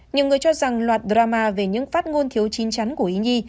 nhiều người cho rằng loạt drama về những phát ngôn thiếu chín chắn của ý nhi